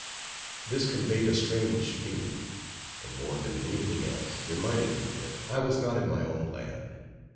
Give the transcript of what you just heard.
This conveyed a strange feeling: and more than any thing else, reminded me that I was not in my own land.